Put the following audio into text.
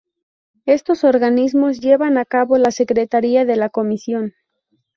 Estos organismos llevan a cabo la Secretaría de la Comisión.